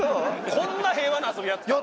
こんな平和な遊びやってたん？